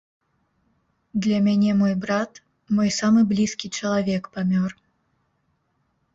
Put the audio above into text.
Для мяне мой брат, мой самы блізкі чалавек памёр.